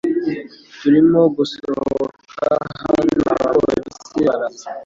Turimo gusohoka hano. Abapolisi baraza.